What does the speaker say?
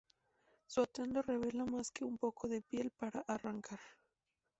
Su atuendo revela más que un poco de piel para arrancar".